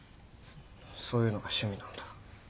そういうのが趣味なんだ？